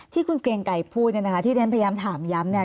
ที่คุณเกรงไกรพูดที่เรียนพยายามถามย้ำ